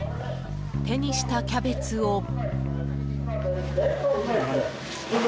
手にしたキャベツを。